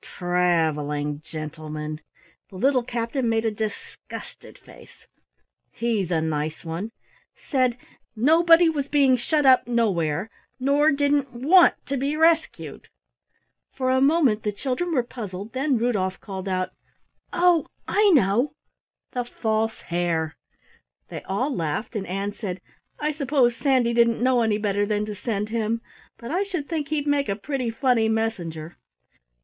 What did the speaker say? "Traveling Gentleman!" The little captain made a disgusted face. "He's a nice one! Said nobody was being shut up nowhere, nor didn't want to be rescued." For a moment the children were puzzled, then Rudolf called out, "Oh, I know the False Hare!" They all laughed and Ann said: "I suppose Sandy didn't know any better than to send him, but I should think he'd make a pretty funny messenger!"